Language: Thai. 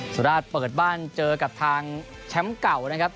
สุราชเปิดบ้านเจอกับทางแชมป์เก่านะครับ